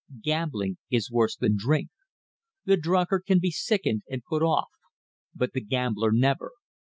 Gambling is worse than drink. The drunkard can be sickened and put off, but the gambler never.